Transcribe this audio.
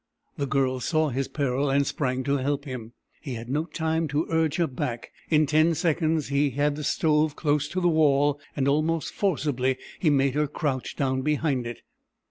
The Girl saw his peril and sprang to help him. He had no time to urge her back. In ten seconds he had the stove close to the wall, and almost forcibly he made her crouch down behind it.